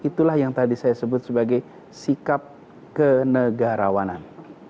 itulah yang tadi saya sebut sebagai sikap kenegarawanan